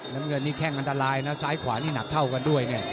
น้ำเงินนี่แข้งอันตรายนะซ้ายขวานี่หนักเท่ากันด้วยไง